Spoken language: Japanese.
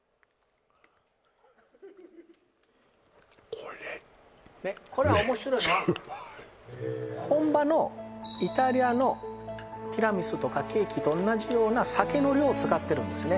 これこれは面白いのは本場のイタリアのティラミスとかケーキと同じような酒の量を使ってるんですね